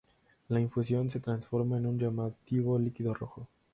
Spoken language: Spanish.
La infusión se transforma en un llamativo líquido rojo.